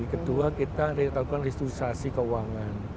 kedua kita lakukan restitusiasi keuangan